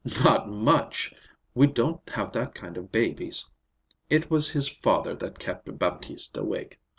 "Not much! We don't have that kind of babies. It was his father that kept Baptiste awake.